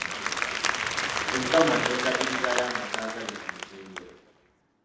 Enkama n’endabirira y’amata agali ku mutindo.